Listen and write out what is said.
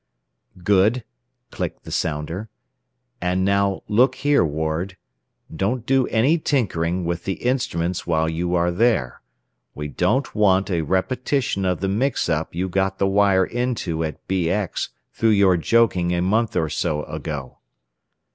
"Good," clicked the sounder. "And now, look here, Ward. Don't do any tinkering with the instruments while you are there. We don't want a repetition of the mix up you got the wire into at BX through your joking a month or so ago."